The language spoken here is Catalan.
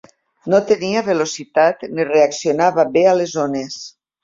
No tenia velocitat ni reaccionava bé a les ones.